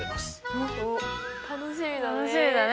おっ楽しみだね。